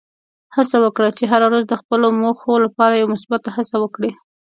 هڅه وکړه چې هره ورځ د خپلو موخو لپاره یوه مثبته هڅه وکړې.